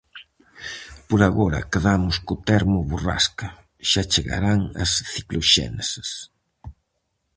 Por agora quedamos co termo borrasca, xa chegarán as cicloxéneses...